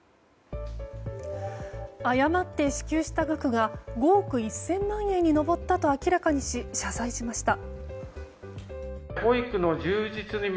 誤って支給した額が５億１０００万円に上ったと明らかにし、謝罪しました。